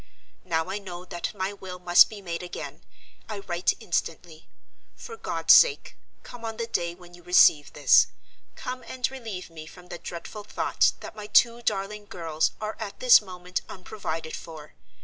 Now I know that my will must be made again, I write instantly. For God's sake, come on the day when you receive this—come and relieve me from the dreadful thought that my two darling girls are at this moment unprovided for.